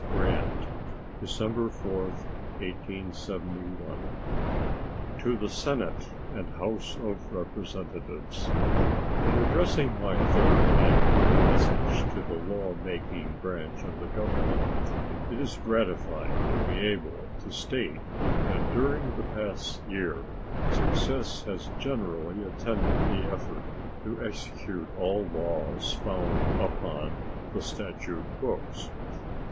Grant December 4, 1871 To the Senate and House of Representatives: In addressing my third annual message to the law making branch of the Government it is gratifying to be able to state that during the past year success has generally attended the effort to execute all laws found upon the statute books.